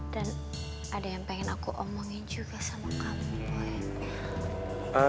dan ada yang pengen aku omongin juga sama kamu boy